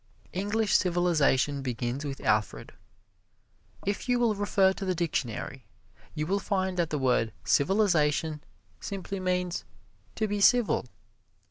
English civilization begins with Alfred. If you will refer to the dictionary you will find that the word "civilization" simply means to be civil.